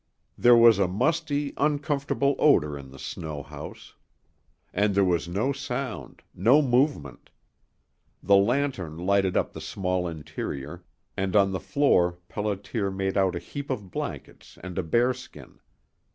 There was a musty, uncomfortable odor in the snow house. And there was no sound, no movement. The lantern lighted up the small interior, and on the floor Pelliter made out a heap of blankets and a bearskin.